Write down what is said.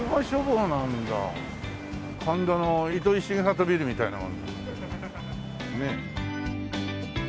神田の糸井重里ビルみたいな。は。